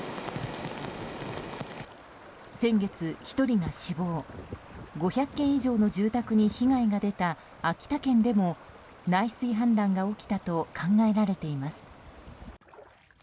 先月、１人が死亡５００軒以上の住宅に被害が出た秋田県でも内水氾濫が起きたと考えられています。